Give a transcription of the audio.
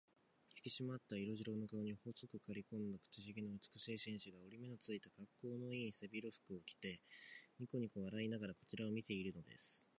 ひきしまった色白の顔に、細くかりこんだ口ひげの美しい紳士が、折り目のついた、かっこうのいい背広服を着て、にこにこ笑いながらこちらを見ているのです。